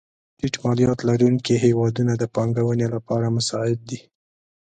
ټیټ مالیات لرونکې هېوادونه د پانګونې لپاره مساعد دي.